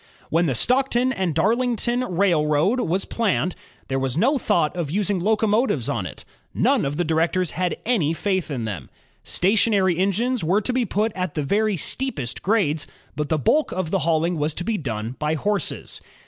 When the Stockton and Darlington Railroad was planned, there was no thought of using locomotives on it. None of the directors had any faith in them. Station ary engines were to be put at the very steepest grades, but the bulk of the hauling was to be done by horses.